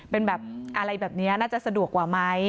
เป็นแบบอะไรแบบนี้น่าจะสะดวกกว่าไหม